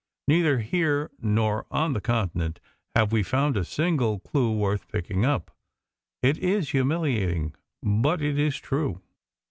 Neither here nor on the Continent have we found a single clue worth picking up. It is humiliating, but it is true."